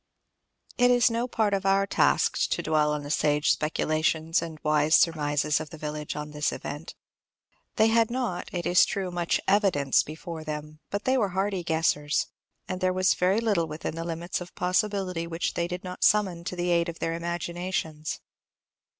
It is no part of our task to dwell on the sage speculations and wise surmises of the village on this event. They had not, it is true, much "evidence" before them, but they were hardy guessers, and there was very little within the limits of possibility which they did not summon to the aid of their imaginations.